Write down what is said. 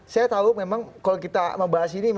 saya tahu memang kalau kita membahas ini